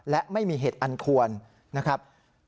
และไม่มีเหตุอันควรนะครับ